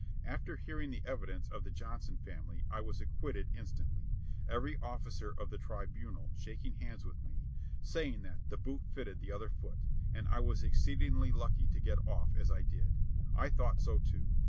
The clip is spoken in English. After hearing the evidence of the Johnson family I was ac quitted instantly, every officer of the tribunal shaking hands with me, saying that the "boot fitted the other foot," and I was exceedingly lucky to get off as I did ; I thought so too.